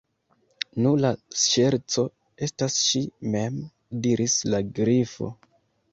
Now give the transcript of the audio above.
"Nu, la ŝerco estas ŝi_ mem," diris la Grifo.